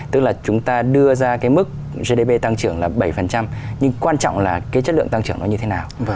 tức là chúng ta đưa ra cái mức gdp tăng trưởng là bảy nhưng quan trọng là cái chất lượng tăng trưởng nó như thế nào